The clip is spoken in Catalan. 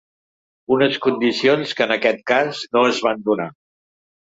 Unes condicions que en aquest cas no es van donar.